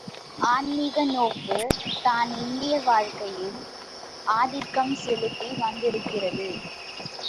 ஆன்மீக நோக்கு தான் இந்திய வாழ்க்கையில் ஆதிக்கம் செலுத்தி வந்திருக்கிறது.